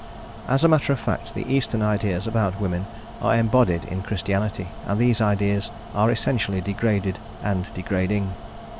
As a matter of fact, the Eastern ideas about women are embodied in Christianity, and these ideas are essentially degraded and degrading.